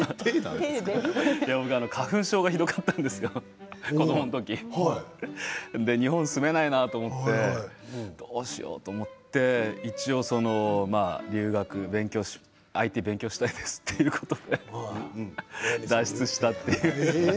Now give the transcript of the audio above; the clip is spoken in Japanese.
僕は花粉症がひどかったんですけど子どもの時日本に住めないなと思ってどうしようと思って一応、留学でＩＴを勉強したいですといって脱出したっていう。